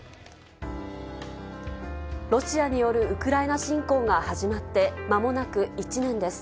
ロシアによるウクライナ侵攻が始まってまもなく１年です。